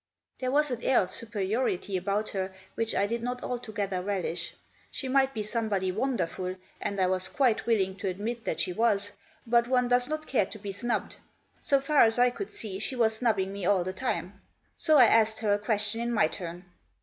There was an air of superiority about her which I did not altogether relish. She might be somebody wonderful, and I was quite willing to admit that she was ; but one does not care to be snubbed. So far as I could see she was snubbing me all the time. So I asked her a question in my turn.